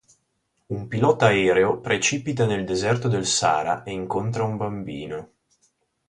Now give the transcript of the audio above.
Un pilota aereo precipita nel deserto del Sahara e incontra un bambino.